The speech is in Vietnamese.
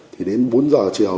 thì đến bốn giờ chiều